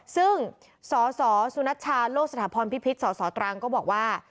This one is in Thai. ซึ่งสสสุนัชชาโลกสถาพรพิพิษสสตรังก็บอกว่า